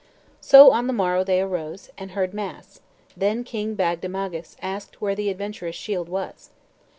So on the morrow they arose, and heard mass; then King Bagdemagus asked where the adventurous shield was.